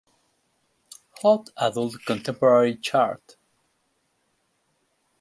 Hot Adult Contemporary chart.